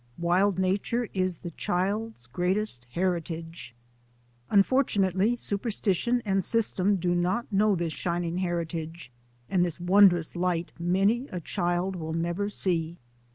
Wild nature is the child's greatest heritage. Unfortu nately superstition and system do not know this shining heritage and this wondrous light many a child will never see.